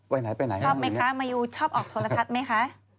ชอบไหมคะมายูชอบออกโทรธัศน์ไหมคะ